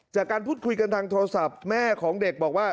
จากการพูดคุยกันทางโทรศัพท์แม่ของเด็กบอกว่า